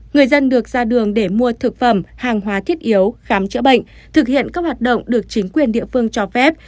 người dân được ra đường để mua thực phẩm hàng hóa thiết yếu khám chữa bệnh thực hiện các hoạt động được chính quyền địa phương cho phép